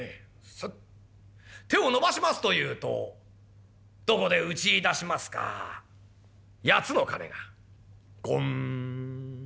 スッ手を伸ばしますというとどこで打ち出しますか八つの鐘がゴン。